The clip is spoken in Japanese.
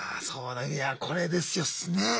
そうだいやこれですよ。ね。